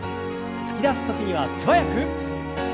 突き出す時には素早く。